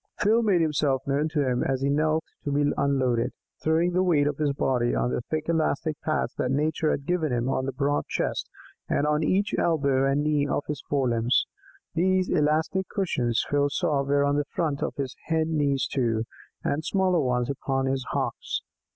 Phil made himself known to him as he knelt to be unloaded, throwing the weight of his body on the thick elastic pads that Nature had given him on his broad chest and on each elbow and knee of his fore limbs. These elastic cushions, Phil saw, were on the front of his hind knees too, and smaller ones upon his hocks.